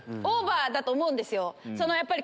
オーバーだと思うんですよ。